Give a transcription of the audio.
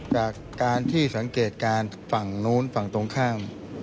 จากการที่สังเกตการณ์ฝั่งนู้นฝั่งตรงข้าม